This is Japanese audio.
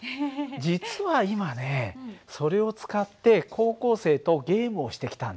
実は今ねそれを使って高校生とゲームをしてきたんだ。